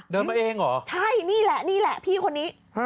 เดินมาเองเหรอใช่นี่แหละนี่แหละพี่คนนี้